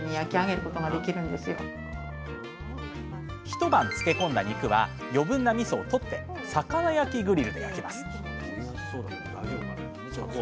一晩漬け込んだ肉は余分なみそを取って魚焼きグリルで焼きます